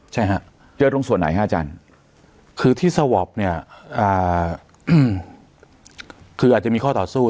ใช่ฮะเจอตรงส่วนไหนฮะอาจารย์คือที่สวอปเนี่ยคืออาจจะมีข้อต่อสู้